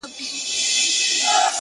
گراني دا هيله كوم،